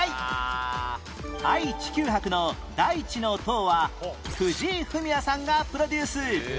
愛・地球博の大地の塔は藤井フミヤさんがプロデュース